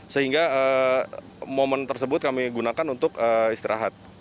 sehingga momen tersebut kami gunakan untuk istirahat